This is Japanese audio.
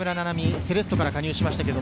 セレッソから加入しました。